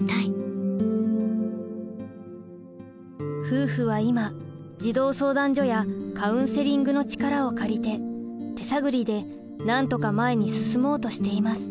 夫婦は今児童相談所やカウンセリングの力を借りて手探りでなんとか前に進もうとしています。